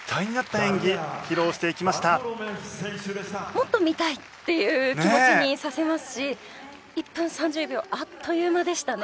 もっと見たいっていう気持ちにさせますし１分３０秒あっという間でしたね。